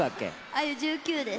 あゆ１９です。